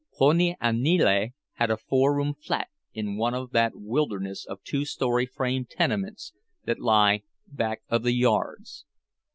Poni Aniele had a four room flat in one of that wilderness of two story frame tenements that lie "back of the yards."